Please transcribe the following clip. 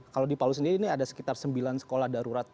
kalau di palu sendiri ini ada sekitar sembilan sekolah darurat